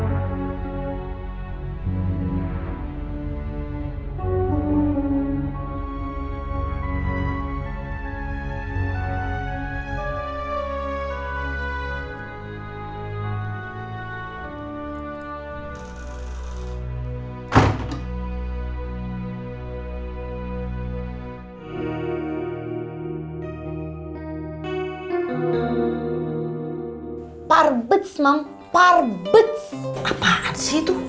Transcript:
apaan sih itu